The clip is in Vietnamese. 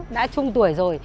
đã trung tuổi rồi